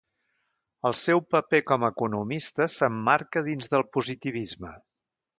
El seu paper com a economista s'emmarca dins del positivisme.